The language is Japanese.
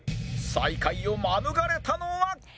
最下位を免れたのは